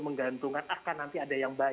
menggantungkan akan nanti ada yang baik